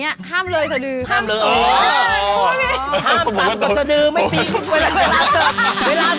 อุ๊ยมันจะกวาด